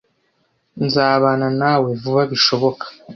Nzabana nawe vuba bishoboka.